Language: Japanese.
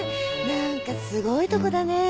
何かすごいとこだね。